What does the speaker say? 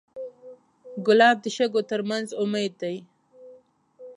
ګلاب د شګو تر منځ امید دی.